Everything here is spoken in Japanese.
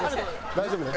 大丈夫ね？